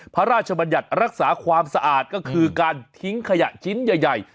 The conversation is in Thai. พระราชบัญญัติรักษาความสะอาดก็คือการทิ้งขยะชิ้นใหญ่